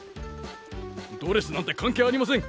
ドレスなんて関係ありません。